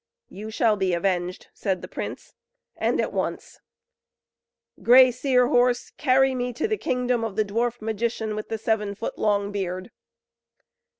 "You shall be avenged," said the prince; "and at once. Grey Seer Horse, carry me to the kingdom of the dwarf magician, with the seven foot long beard."